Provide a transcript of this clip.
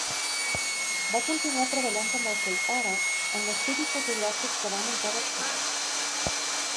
Va continuar treballant amb el seu pare en l'estudi fotogràfic que va muntar a Barcelona.